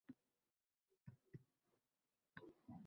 Men o‘sal bo‘ldim. Biroq mayor o‘zini bilib-bilmaganlikka oldi-da: